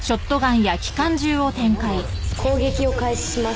攻撃を開始します